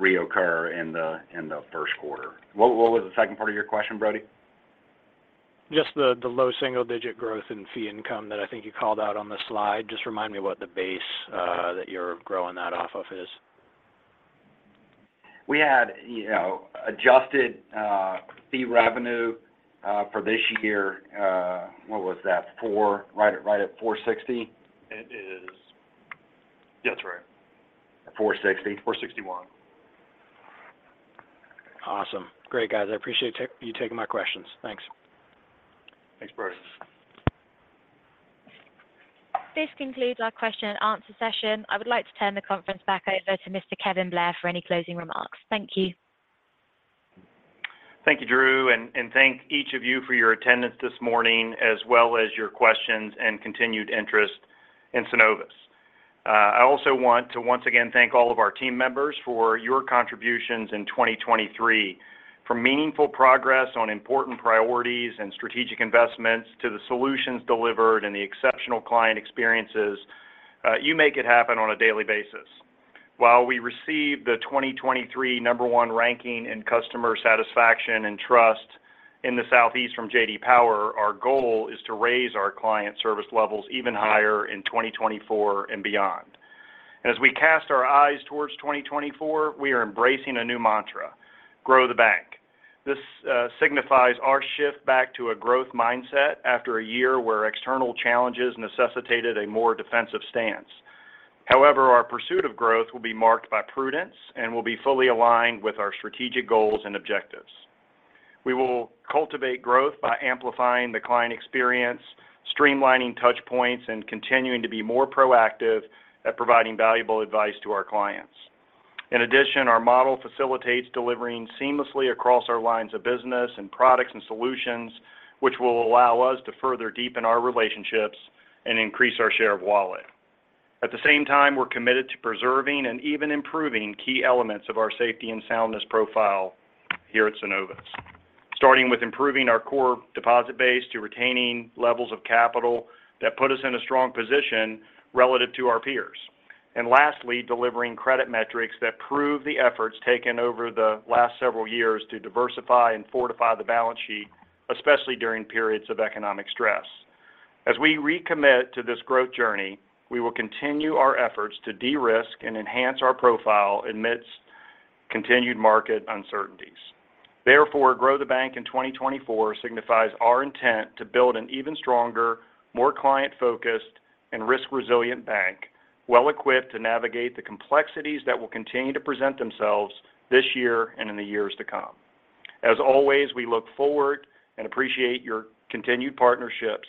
Speaker 4: reoccur in the first quarter. What was the second part of your question, Brodie?
Speaker 14: Just the low single-digit growth in fee income that I think you called out on the slide. Just remind me what the base that you're growing that off of is.
Speaker 4: We had, you know, adjusted fee revenue for this year. What was that? Right at, right at $460.
Speaker 3: It is... That's right.
Speaker 4: 460, 461.
Speaker 14: Awesome. Great, guys. I appreciate you taking my questions. Thanks.
Speaker 3: Thanks, Brodie.
Speaker 1: This concludes our question and answer session. I would like to turn the conference back over to Mr. Kevin Blair for any closing remarks. Thank you.
Speaker 3: Thank you, Drew, and thank each of you for your attendance this morning, as well as your questions and continued interest in Synovus. I also want to once again thank all of our team members for your contributions in 2023. From meaningful progress on important priorities and strategic investments to the solutions delivered and the exceptional client experiences, you make it happen on a daily basis. While we received the 2023 number one ranking in customer satisfaction and trust in the Southeast from J.D. Power, our goal is to raise our client service levels even higher in 2024 and beyond. As we cast our eyes towards 2024, we are embracing a new mantra: grow the bank. This signifies our shift back to a growth mindset after a year where external challenges necessitated a more defensive stance. However, our pursuit of growth will be marked by prudence and will be fully aligned with our strategic goals and objectives. We will cultivate growth by amplifying the client experience, streamlining touch points, and continuing to be more proactive at providing valuable advice to our clients. In addition, our model facilitates delivering seamlessly across our lines of business and products and solutions, which will allow us to further deepen our relationships and increase our share of wallet. At the same time, we're committed to preserving and even improving key elements of our safety and soundness profile here at Synovus, starting with improving our core deposit base to retaining levels of capital that put us in a strong position relative to our peers. Lastly, delivering credit metrics that prove the efforts taken over the last several years to diversify and fortify the balance sheet, especially during periods of economic stress. As we recommit to this growth journey, we will continue our efforts to de-risk and enhance our profile amidst continued market uncertainties. Therefore, grow the bank in 2024 signifies our intent to build an even stronger, more client-focused, and risk-resilient bank, well-equipped to navigate the complexities that will continue to present themselves this year and in the years to come. As always, we look forward and appreciate your continued partnerships,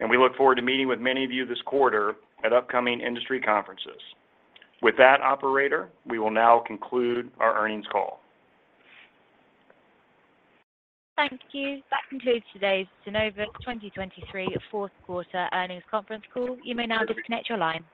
Speaker 3: and we look forward to meeting with many of you this quarter at upcoming industry conferences. With that, operator, we will now conclude our earnings call.
Speaker 1: Thank you. That concludes today's Synovus 2023 Q4 earnings conference call. You may now disconnect your line.